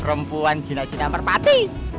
perempuan jina jina merpati